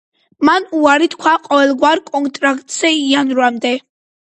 მან უარი თქვა ყოველგვარ კონტრაქტზე იანვრამდე.